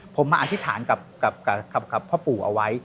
ผมมาอธิษฐานกับพ่อปู่เอาไว้